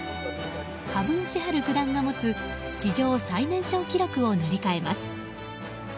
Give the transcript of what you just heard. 羽生善治九段が持つ史上最年少記録を塗り替えます。